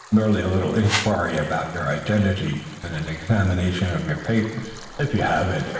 Merely a little inquiry about your identity and an examination of your papers, if you have any.